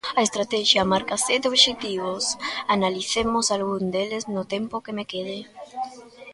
A estratexia marca sete obxectivos –analicemos algún deles no tempo que me quede–.